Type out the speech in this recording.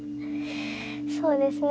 そうですね